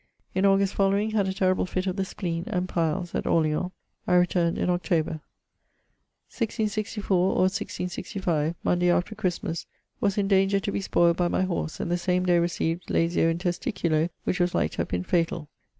In August following, had a terrible fit of the spleen, and piles, at Orleans. I returned in October. 1664, or 1665: Munday after Christmas, was in danger to be spoiled by my horse, and the same day received laesio in testiculo which was like to have been fatall.